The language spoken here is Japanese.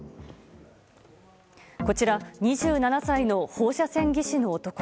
こちら２７歳の放射線技師の男。